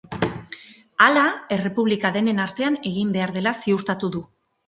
Hala, errepublika denen artean egin behar dela ziurtatu du.